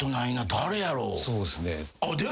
そうですねうち。